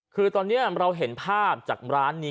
คือตอนนี้เราเห็นภาพจากร้านนี้